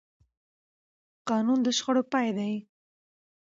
قانون د شخړو پای دی